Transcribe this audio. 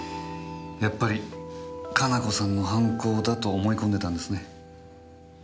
やっぱり可奈子さんの犯行だと思い込んでたんですね。